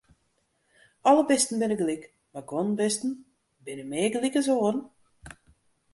Alle bisten binne gelyk, mar guon bisten binne mear gelyk as oare.